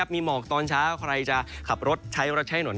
มีหมอกตอนเช้าใครจะขับรถใช้รถใช้ถนน